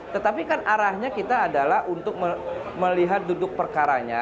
tetapi kan arahnya kita adalah untuk melihat duduk perkaranya